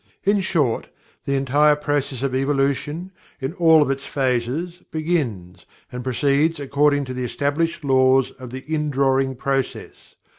In short, the entire process of Evolution, in all of its phases, begins, and proceeds according to the established "Laws of the Indrawing" process.